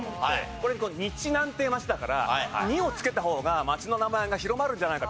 これに「日南」っていう町だから「に」を付けた方が町の名前が広まるんじゃないか。